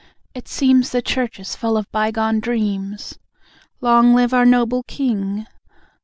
(It seems The Church is full of bygone dreams.) LONG LIVE OUR NOBLE KING.